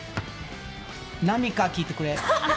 並か聞いてくれ。